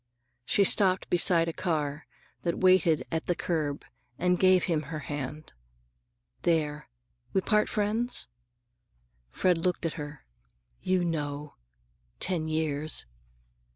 She stopped beside a car that waited at the curb and gave him her hand. "There. We part friends?" Fred looked at her. "You know. Ten years."